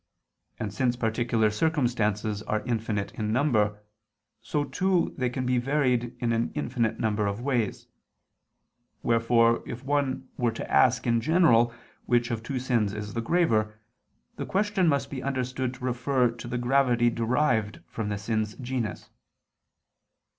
And since particular circumstances are infinite in number, so too they can be varied in an infinite number of ways: wherefore if one were to ask in general which of two sins is the graver, the question must be understood to refer to the gravity derived from the sin's genus.